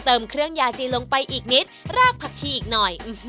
เติมเครื่องยาจีนลงไปอีกนิดรากผักชีอีกหน่อย